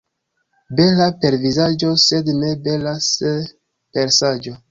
Bela per vizaĝo, sed ne bela per saĝo.